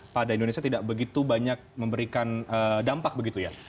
pada indonesia tidak begitu banyak memberikan dampak begitu ya